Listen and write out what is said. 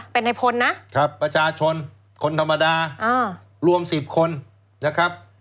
เป็นไอพลน่ะครับประชาชนคนธรรมดาอ๋อรวมสิบคนนะครับ